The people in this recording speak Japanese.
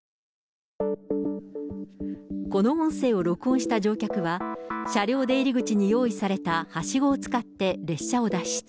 この音声を録音した乗客は、車両出入り口に用意されたはしごを使って列車を脱出。